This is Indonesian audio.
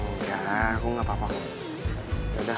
gak aku gak apa apa